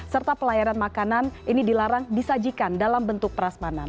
serta pelayaran makanan ini dilarang disajikan dalam bentuk perasmanan